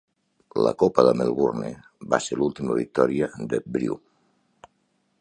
La Copa de Melbourne va ser l'última victòria de Brew.